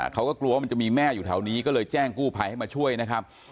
เขาก็กลัวว่ามันจะมีแม่อยู่แถวนี้ก็เลยแจ้งกู้ภัยให้มาช่วยนะครับ